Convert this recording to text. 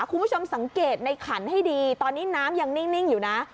คุณผู้ชมสังเกตในขันให้ดีตอนนี้น้ำยังนิ่งอยู่นะ